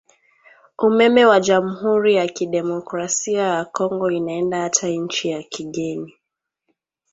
Umeme wa jamhuri ya kidemocrasia ya kongo inaenda ata inchi ya kigeni